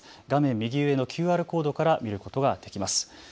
画面右上のＱＲコードから見ることができます。